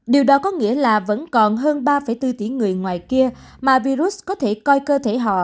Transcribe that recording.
điều đó có nghĩa là vẫn còn hơn ba bốn tỷ người ngoài kia mà virus có thể coi cơ thể họ